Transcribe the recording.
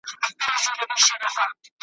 درز به واچوي سينو کي .